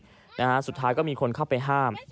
และก็ยังด่าทออีกซุดท้ายก็มีคนเข้าไปห้าม